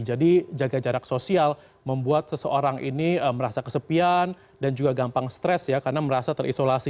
jadi jaga jarak sosial membuat seseorang ini merasa kesepian dan juga gampang stres ya karena merasa terisolasi